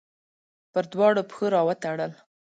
پر دواړو پښو راوتړل